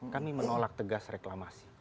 kami menolak tegas reklamasi